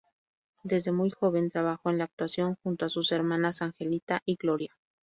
Desde muy joven trabajó en la actuación junto a sus hermanas Angelita y Gloria.